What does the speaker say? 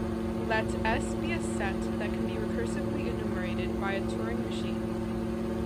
Let S be a set that can be recursively enumerated by a Turing machine.